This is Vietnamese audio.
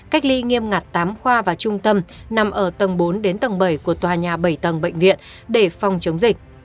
cách ly nghiêm ngặt tám khoa và trung tâm nằm ở tầng bốn đến tầng bảy của tòa nhà bảy tầng bệnh viện để phòng chống dịch